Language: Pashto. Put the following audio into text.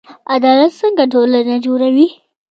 عدالت څنګه ټولنه جوړوي؟